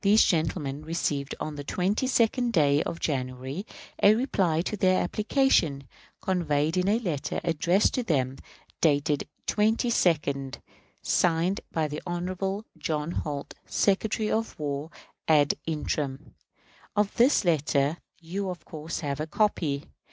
These gentlemen received on the 22d day of January a reply to their application, conveyed in a letter addressed to them, dated the 22d, signed by the Hon. J. Holt, Secretary of War ad interim. Of this letter you of course have a copy.